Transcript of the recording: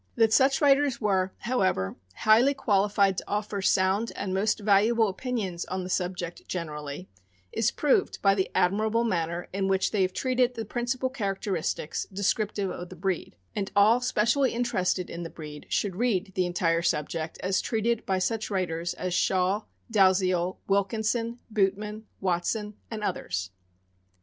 That such writers were, however, highly qualified to offer sound and most valuable opinions on the subject generally, is proved by the admirable manner in which they have treated the principal characteristics descriptive of the breed; and all specially interested in the breed should read the entire subject as treated by such writers as Shaw, Dalziel, Wil kinson, Bootman, Watson, and others.